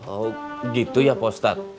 oh gitu ya pak ustadz